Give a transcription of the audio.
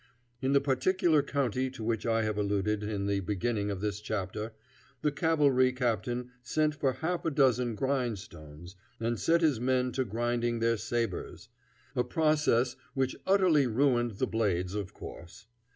In the particular county to which I have alluded in the beginning of this chapter, the cavalry captain sent for half a dozen grindstones, and set his men to grinding their sabres, a process which utterly ruined the blades, of course.